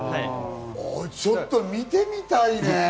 ちょっと見てみたいね。